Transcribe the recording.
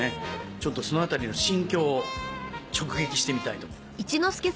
ちょっとそのあたりの心境を直撃してみたいと思います。